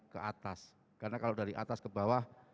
ke atas karena kalau dari atas ke bawah